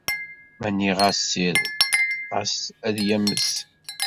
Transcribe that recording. Ma nniɣ-as ssired, xas ad yames.